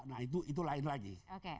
nah itu lain lagi